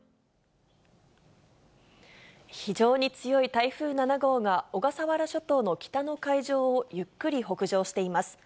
非常に強い台風７号が、小笠原諸島の北の海上をゆっくり北上しています。